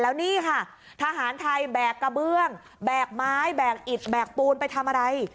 แล้วนี่ค่ะทหารไทยแบกกระเบื้องแบกไม้แบกอิดแบกปูนไปทำอะไร